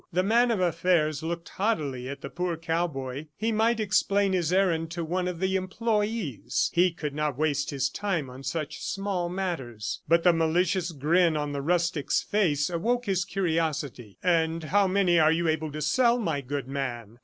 The man of affairs looked haughtily at the poor cowboy. He might explain his errand to one of the employees, he could not waste his time on such small matters. But the malicious grin on the rustic's face awoke his curiosity. "And how many are you able to sell, my good man?"